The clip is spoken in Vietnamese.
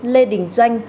lê đình doanh